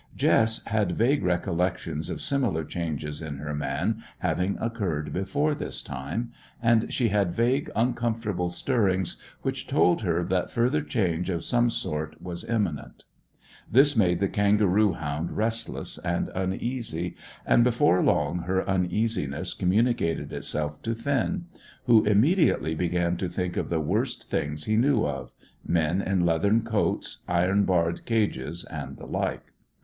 Jess had vague recollections of similar changes in her man having occurred before this time, and she had vague, uncomfortable stirrings which told her that further change of some sort was imminent. This made the kangaroo hound restless and uneasy, and before long her uneasiness communicated itself to Finn, who immediately began to think of the worst things he knew of men in leathern coats, iron barred cages, and the like.